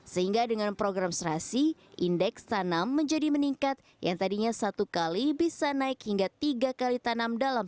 sehingga dengan program serasi indeks tanam menjadi meningkat yang tadinya satu kali bisa naik hingga tiga kali tanam dalam